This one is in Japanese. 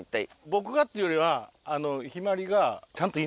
僕がっていうよりは向日葵が。